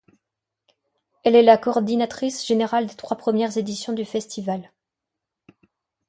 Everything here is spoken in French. Elle est la coordinatrice générale des trois premières éditions du Festival.